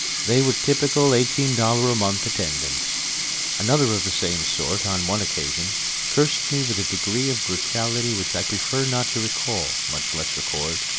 They were typical eighteen dollar a month attendants. Another of the same sort, on one occasion, cursed me with a degree of brutality which I prefer not to recall, much less record.